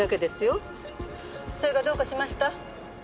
それがどうかしました？